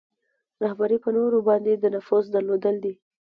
رهبري په نورو باندې د نفوذ درلودل دي.